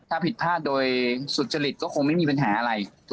ถ้าผิดพลาดโดยสุจริตก็คงไม่มีปัญหาอะไร